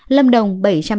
lâm đồng bảy trăm sáu mươi tám